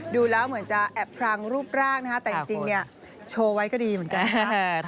ดูแล้วเหมือนจะแอบพรางรูปร่างนะฮะแต่จริงเนี่ยโชว์ไว้ก็ดีเหมือนกัน